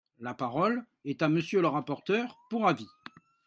La parole est à Monsieur le rapporteur pour avis.